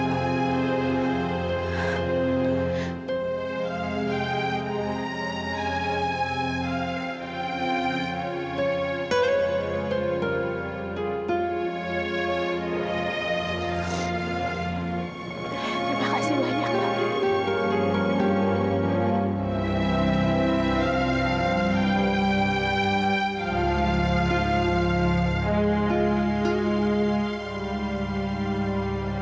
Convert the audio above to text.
terima kasih banyak pak